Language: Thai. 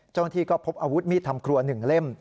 เจ้าหน้าที่ก็พบอาวุธมีดทำครัว๑เล่ม